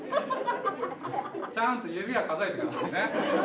ちゃんと指を数えて下さいね。